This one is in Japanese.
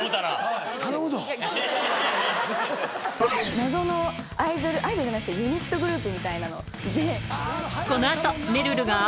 謎のアイドルアイドルじゃないですけどユニットグループみたいなので。